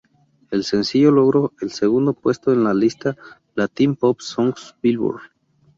El sencillo logró el segundo puesto en la lista "Latin Pop Songs Billboard".